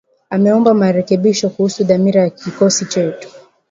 Ameomba marekebisho kuhusu dhamira ya kikosi chetu.